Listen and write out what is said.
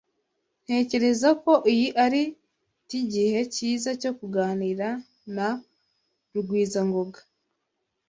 Ntekereza ko iyi ari tigihe cyiza cyo kuganira na Rugwizangoga.